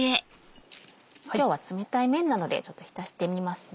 今日は冷たい麺なのでちょっと浸してみますね。